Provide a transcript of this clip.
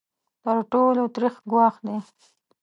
تر ټولو تریخ ګواښ دی.